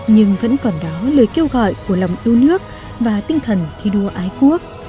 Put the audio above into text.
nhưng vẫn còn đó lời kêu gọi của lòng yêu nước và tinh thần thi đua ái quốc